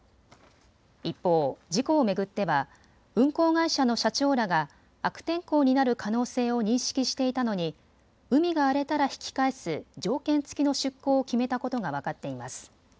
一方、事故を巡っては運航会社の社長らが悪天候になる可能性を認識していたのに海が荒れたら引き返す条件付きの出航を決めたことが分かっています。